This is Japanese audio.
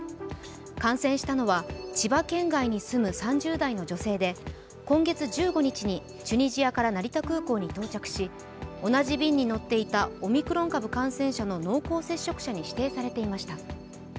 感染したのは千葉県内に住む３０代の女性で今月１５日にチュニジアから成田空港に到着し、同じ便に乗っていたオミクロン株感染者の濃厚接触者に指定されていました。